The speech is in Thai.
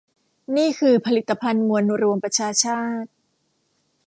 นี่คือผลิตภัณฑ์มวลรวมประชาชาติ